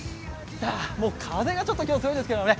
風がちょっと今日、強いですけれどもね。